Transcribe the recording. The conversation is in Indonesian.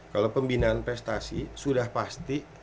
kalau pembinaan prestasi sudah pasti